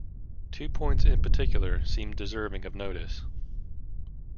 Two points in particular seem deserving of notice.